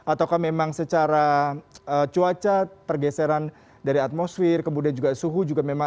ataukah memang secara cuaca pergeseran dari atmosfer kemudian juga suhu juga memang